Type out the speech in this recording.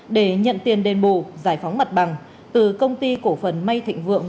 để nhận tiền đền bù giải phóng mặt bằng từ công ty cổ phần may thịnh vượng